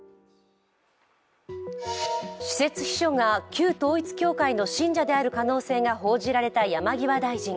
私設秘書が旧統一教会の信者である可能性が報じられた山際大臣。